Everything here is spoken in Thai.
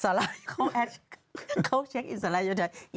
สาลานั้ยเข้าหาใส่